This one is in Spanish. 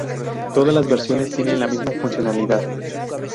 Todas las versiones tienen la misma funcionalidad.